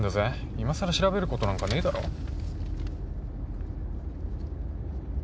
いまさら調べることなんかねえだろ？